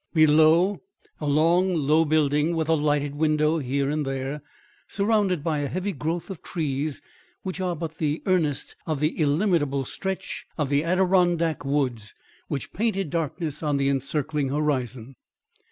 Below, a long, low building with a lighted window here and there, surrounded by a heavy growth of trees which are but the earnest of the illimitable stretch of the Adirondack woods which painted darkness on the encircling horizon.